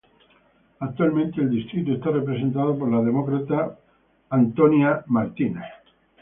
Actualmente el distrito está representado por la Demócrata Gwen Moore.